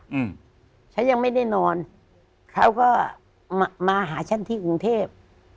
อืมฉันยังไม่ได้นอนเขาก็มามาหาฉันที่กรุงเทพ